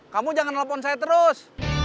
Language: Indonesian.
kamu jangan nelfon saya terus